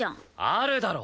あるだろ！